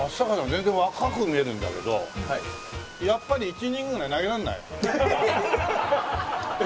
全然若く見えるんだけどやっぱり１イニングぐらい投げらんない？えっ？